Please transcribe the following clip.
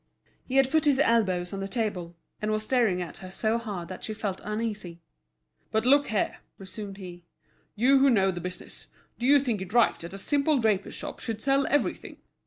He had put his elbows on the table, and was staring at her so hard that she felt uneasy. "But look here," resumed he; "you who know the business, do you think it right that a simple draper's shop should sell everything?